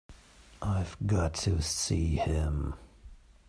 I've got to see him.